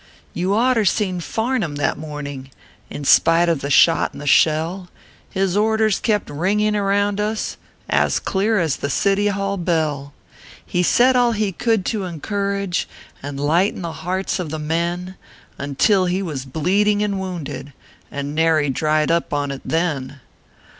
You oughter seen Farnham, that mornin I In spite of the shot and the shell His orders kept ringing around us As clear as the City Hall bell. He said all he could to encourage And lighten the hearts of the men, Until he was bleeding and wounded, And nary dried up on it then.